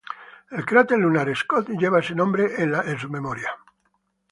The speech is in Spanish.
El cráter lunar Scott lleva este nombre en su memoria.